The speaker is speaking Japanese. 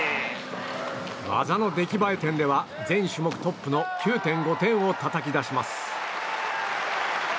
技の出来栄え点では全種目トップの９．５点をたたき出します。